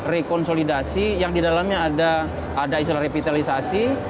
rekonsolidasi yang didalamnya ada istilah revitalisasi